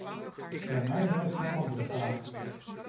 Bij mij rijst een andere vraag.